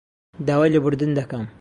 داوای لێبوردن دەکەم